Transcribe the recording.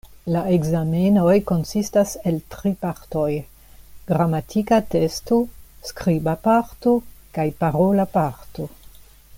La ekzamenoj konsistas el tri partoj: gramatika testo, skriba parto kaj parola parto.